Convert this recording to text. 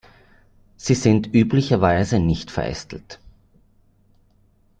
Sie sind üblicherweise nicht verästelt.